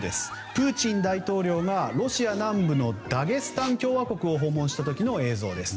プーチン大統領がロシア南部のダゲスタン共和国を訪問した時の映像です。